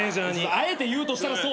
あえて言うとしたらそう。